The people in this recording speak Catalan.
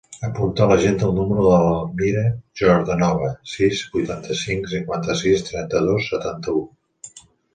Apunta a l'agenda el número de l'Amira Yordanova: sis, vuitanta-cinc, cinquanta-sis, trenta-dos, setanta-u.